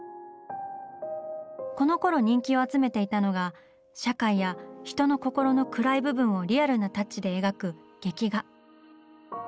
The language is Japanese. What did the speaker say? このころ人気を集めていたのが社会や人の心の暗い部分をリアルなタッチで描く「劇画」。